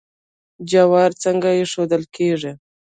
جوار څنګه ایښودل کیږي؟